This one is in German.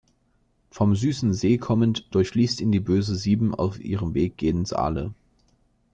Vom Süßen See kommend durchfließt ihn die Böse Sieben auf ihrem Weg gen Saale.